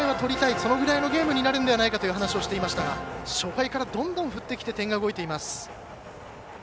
そのぐらいのゲームになるんではないかという話をしていましたが初回からどんどん振ってきて点が動いています。